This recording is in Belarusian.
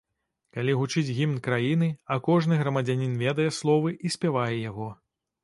Калі гучыць гімн краіны, а кожны грамадзянін ведае словы і спявае яго.